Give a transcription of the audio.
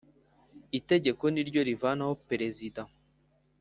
itegeko niryo rivanaho perezida